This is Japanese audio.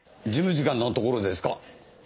事務次官のところへですか？